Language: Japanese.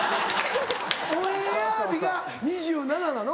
オンエア日が２７歳なの？